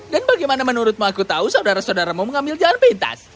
dan bagaimana menurutmu aku tahu saudara saudaramu mengambil jalan pintas